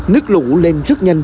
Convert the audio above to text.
nước lũ lên rất nhanh